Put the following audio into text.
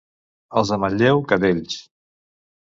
Els de Manlleu, cadells.